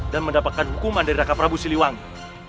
dan mendapatkan hukuman dari raja prabu siliwangi